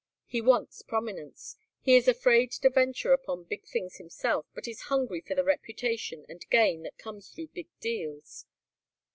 He wants prominence. He is afraid to venture upon big things himself but is hungry for the reputation and gain that comes through big deals.